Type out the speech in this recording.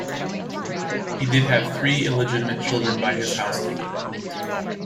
He did have three illegitimate children by his housekeeper.